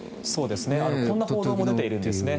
こんな報道も出ているんですね。